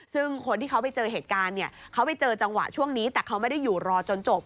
ซึ่งคนที่เขาไปเจอเหตุการณ์เนี่ยเขาไปเจอจังหวะช่วงนี้แต่เขาไม่ได้อยู่รอจนจบ